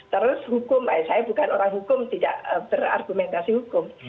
terus hukum saya bukan orang hukum tidak berargumentasi hukum